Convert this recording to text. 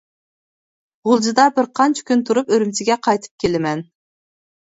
غۇلجىدا بىر قانچە كۈن تۇرۇپ ئۈرۈمچىگە قايتىپ كېلىمەن.